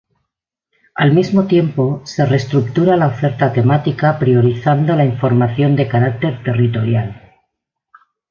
Al mismo tiempo, se reestructura la oferta temática priorizando la información de carácter territorial.